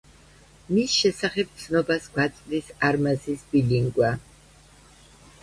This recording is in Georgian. მის შესახებ ცნობას გვაწვდის არმაზის ბილინგვა.